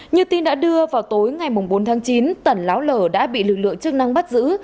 như tin đã đưa vào tối ngày bốn tháng chín tẩn láo lở đã bị lực lượng chức năng bắt giữ